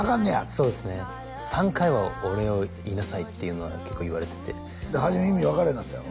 そうですね３回はお礼を言いなさいっていうのは結構言われててはじめ意味分からへんかったやろ